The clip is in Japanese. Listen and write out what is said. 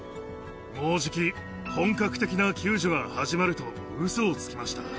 もうじき本格的な救助が始まると、うそをつきました。